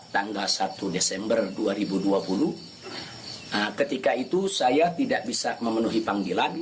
tanggal satu desember dua ribu dua puluh ketika itu saya tidak bisa memenuhi panggilan